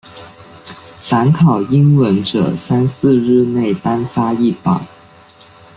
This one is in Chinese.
凡考英文者三四日内单发一榜。